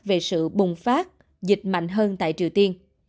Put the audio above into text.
về sự bùng phát dịch mạnh hơn tại triều tiên